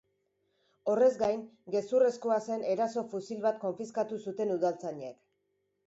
Horrez gain, gezurrezkoa zen eraso-fusil bat konfiskatu zuten udaltzainek.